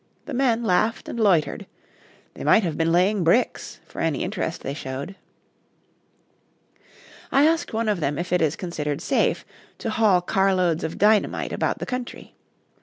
The men laughed and loitered. They might have been laying bricks, for any interest they showed. I asked one of them if it is considered safe to haul car loads of dynamite about the country.